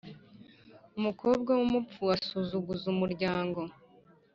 Umukobwa w’umupfu asuzuguza umuryango.